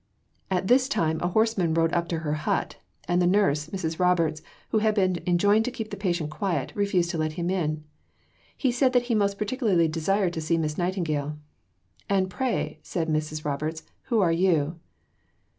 " At this time a horseman rode up to her hut, and the nurse, Mrs. Roberts, who had been enjoined to keep the patient quiet, refused to let him in. He said that he most particularly desired to see Miss Nightingale. "And pray," said Mrs. Roberts, "who are you?"